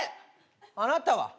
あなたは？